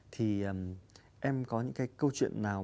thì em có những cái câu chuyện nào